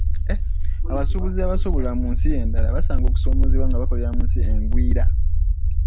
Abasuubuzi abasuubula mu nsi endala basanga okusomoozebwa nga bakolera mu nsi engwira.